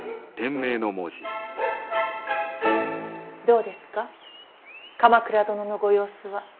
どうですか鎌倉殿のご様子は。